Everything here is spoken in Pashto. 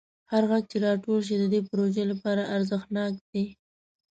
هر غږ چې راټول شي د دې پروژې لپاره ارزښتناک دی.